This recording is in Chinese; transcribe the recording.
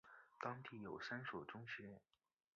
当地有三所中学。